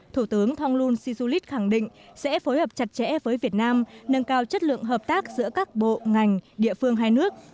thủ tướng thông luân si su lít khẳng định sẽ phối hợp chặt chẽ với việt nam nâng cao chất lượng hợp tác giữa các bộ ngành địa phương hai nước